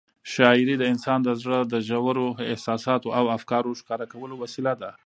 شاعري د انسان د زړه د ژورو احساساتو او افکارو ښکاره کولو وسیله ده.